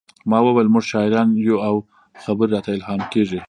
ما وویل موږ شاعران یو او خبرې راته الهام کیږي